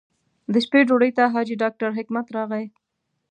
د شپې ډوډۍ ته حاجي ډاکټر حکمت راغی.